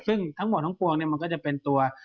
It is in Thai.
ซึ่งทั้งหมดทั้งปวงเนี่ยมันก็จะเป็นตัว